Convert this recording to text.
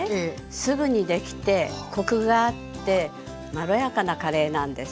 すぐに出来てコクがあってまろやかなカレーなんです。